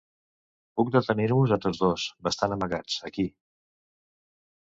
Puc detenir-vos a tots dos, bastant amagats, aquí.